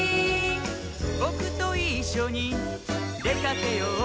「ぼくといっしょにでかけよう」